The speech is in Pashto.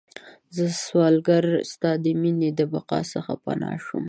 زه سوالګره ستا د میینې، د بقا څخه پناه شوم